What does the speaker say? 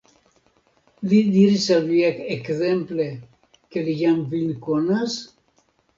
Li diris al vi ekzemple, ke li jam vin konas?